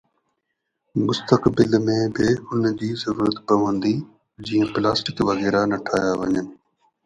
مستقبل ۾ به ان جي ضرورت پوندي، جيئن پلاسٽڪ وغيره نه ٺاهيا وڃن